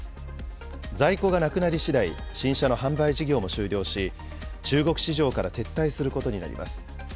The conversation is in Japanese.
在庫がなくなりしだい、新車の販売事業も終了し、中国市場から撤退することになります。